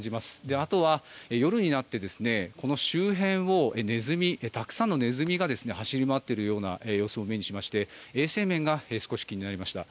あとは夜になってこの周辺をたくさんのネズミが走り回っているような様子を目にしまして衛生面が少し気になりました。